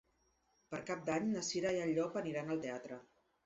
Per Cap d'Any na Cira i en Llop aniran al teatre.